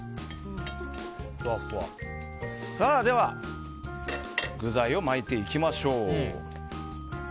では、具材を巻いていきましょう。